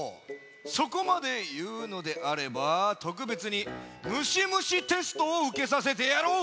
そこまでいうのであればとくべつに「むしむしテスト」をうけさせてやろう！